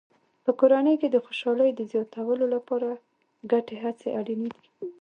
په کورنۍ کې د خوشحالۍ د زیاتولو لپاره ګډې هڅې اړینې دي.